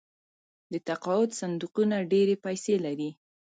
د تقاعد صندوقونه ډیرې پیسې لري.